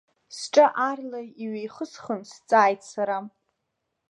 Сҿы аарла иҩеихысхын сҵааит сара.